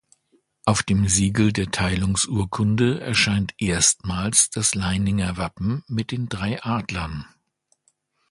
Auf dem Siegel der Teilungsurkunde erscheint erstmals das Leininger Wappen mit den drei Adlern.